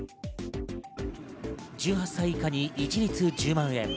１８歳以下に一律１０万円。